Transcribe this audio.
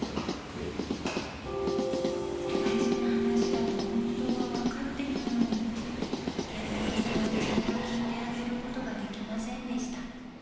大事な話だと本当は分かっているのに、謙太郎さんはちゃんと聞いてあげることができませんでした。